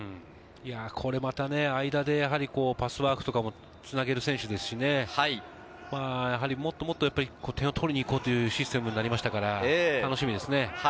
これまたね、間でパスワークとかもつなげる選手ですし、もっともっと点を取りに行こうというシステムになりましたから、楽しみですね。